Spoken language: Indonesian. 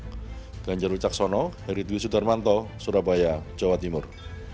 dengan jero caksono heri dwi sudarmanto surabaya jawa timur